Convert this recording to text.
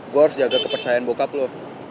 gue harus jaga kepercayaan bokap lu